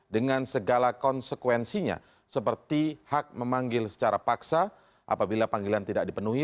dengan segala konsekuensinya seperti hak memanggil secara paksa apabila panggilan tidak dipenuhi